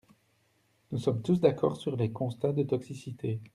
Nous sommes tous d’accord sur les constats de toxicité.